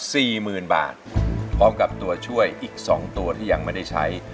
สี่หมื่นบาทพร้อมกับตัวช่วยอีกสองตัวที่ยังไม่ได้ใช้